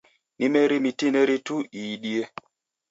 Ni meri mitineri tu iidie.